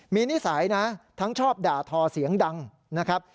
มีนิสัยนะทั้งชอบด่าทอเสียงดังนะครับ